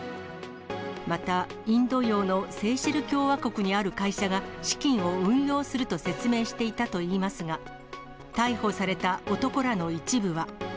また、インド洋のセーシェル共和国にある会社が資金を運用すると説明していたといいますが、逮捕された男らの一部は。